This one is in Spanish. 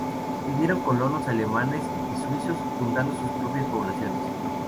Vinieron colonos alemanes y suizos, fundando sus propias poblaciones.